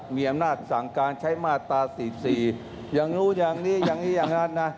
มีอำนาจสั่งการใช้มาตรา๔๔อย่างนู้นอย่างนี้อย่างนี้อย่างนั้นนะ